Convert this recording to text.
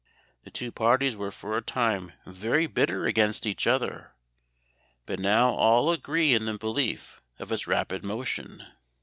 The two parties were for a time very bitter against each other; but now all agree in the belief of its rapid motion."